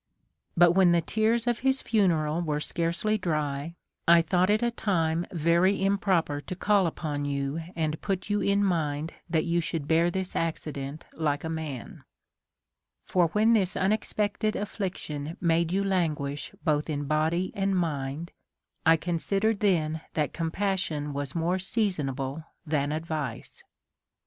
But when the tears of his funeral were scarcely dry, I thought it a time very improper to call upon you and put you in mind that you should bear this accident like a man ; for when this unexpected afflic tion made you languish both in body and mind, I considered then that compassion was more seasonable than advice.